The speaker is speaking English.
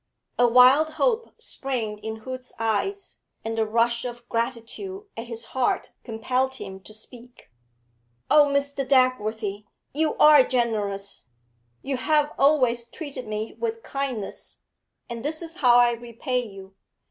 A wild hope sprang in Hood's eyes, and the rush of gratitude at his heart compelled him to speak. 'Oh, Mr. Dagworthy, you arc generous! You have always treated me with kindness; and this is how I repay you.